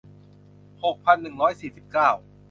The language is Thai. หกพันหนึ่งร้อยสี่สิบเก้า